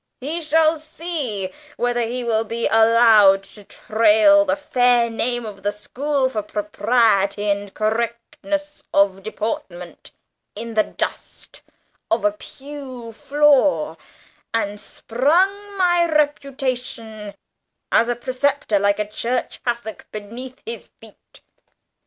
"He shall see whether he will be allowed to trail the fair name of the school for propriety and correctness of deportment in the dust of a pew floor, and spurn my reputation as a preceptor like a church hassock beneath his feet!